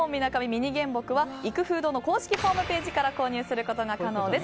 ミニ原木は育風堂の公式ホームページから購入することが可能です。